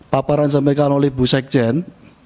paparan sampaikan oleh bu sekjen